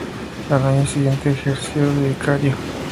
Al año siguiente ejerció de Vicario.